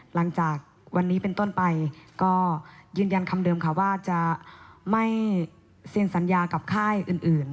หลังจากวันนี้เป็นต้นไปก็ยืนยันคำเดิมค่ะว่าจะไม่เซ็นสัญญากับค่ายอื่น